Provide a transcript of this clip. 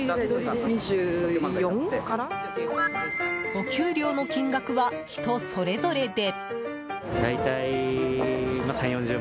お給料の金額は人それぞれで。